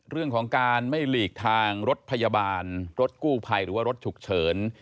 เรื่องของการไม่หลีกทางรถพยาบาลรถกู้ภัยหรือว่ารถฉุกเฉิน